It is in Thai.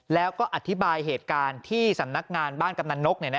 แล้วก็อธิบายเหตุการณ์ที่สำนักงานบ้านกำนันนก